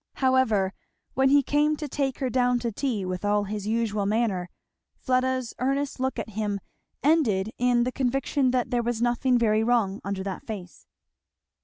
However, when he came to take her down to tea, with all his usual manner, Fleda's earnest look at him ended in the conviction that there was nothing very wrong under that face.